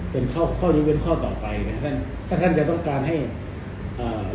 เป็นข้อยุ่งข้อต่อไปนะฮะถ้าท่านจะต้องการให้อ่า